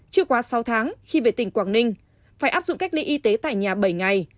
chưa quá sáu tháng khi về tỉnh quảng ninh phải áp dụng cách ly y tế tại nhà bảy ngày